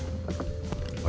dia mainin apa